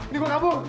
ini gue kabur